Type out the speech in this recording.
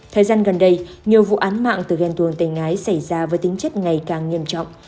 thời gian gần đây nhiều vụ án mạng từ ghen tuồng tình ái xảy ra với tính chất ngày càng nghiêm trọng